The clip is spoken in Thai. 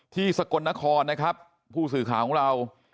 สกลนครนะครับผู้สื่อข่าวของเรา